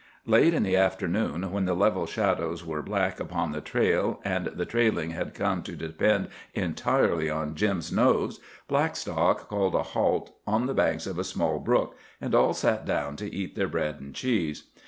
Late in the afternoon, when the level shadows were black upon the trail and the trailing had come to depend entirely on Jim's nose, Blackstock called a halt on the banks of a small brook and all sat down to eat their bread and cheese.